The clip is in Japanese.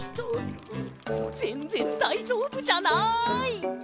ぜんぜんだいじょうぶじゃない！